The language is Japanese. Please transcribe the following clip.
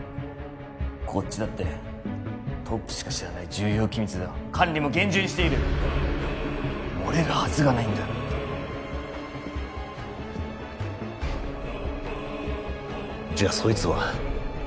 こっちだってトップしか知らない重要機密だ管理も厳重にしている漏れるはずがないんだじゃそいつは？